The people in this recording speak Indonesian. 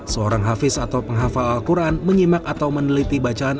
seorang hafiz atau penghafal al quran